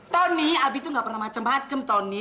tony abi tuh ga pernah macem macem tony